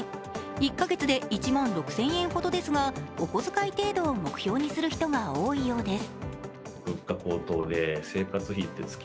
１か月で１万６０００円ほどですがお小遣い程度を目標にする人が多いようです。